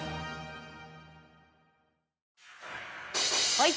はい。